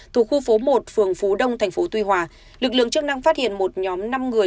thuộc khu phố một phường phú đông tp tuy hòa lực lượng chức năng phát hiện một nhóm năm người